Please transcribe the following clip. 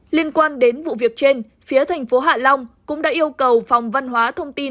liên quan đến vụ việc trên phía thành phố hạ long cũng đã yêu cầu phòng văn hóa thông tin